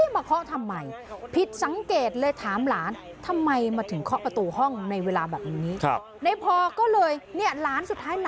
เคาะทำไมผิดสังเกตเลยถามหลานทำไมมาถึงเคาะประตูห้องในเวลาแบบนี้